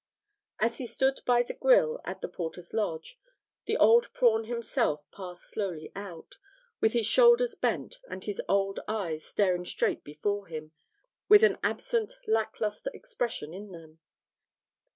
As he stood by the grille at the porter's lodge, the old Prawn himself passed slowly out, with his shoulders bent, and his old eyes staring straight before him with an absent, lack lustre expression in them.